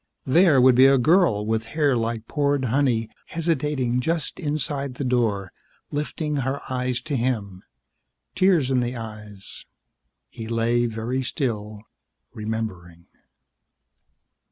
There would be a girl with hair like poured honey hesitating just inside the door, lifting her eyes to him. Tears in the eyes. He lay very still, remembering.